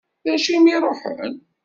D acu i m-iruḥen?